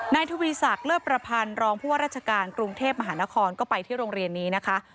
นายทุวีสักเลือดประพันธ์รองพวกราชการกรุงเทพมหานครก็ไปที่โรงเรียนนี้นะคะ